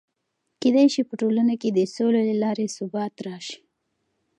کېدای سي په ټولنه کې د سولې له لارې ثبات راسي.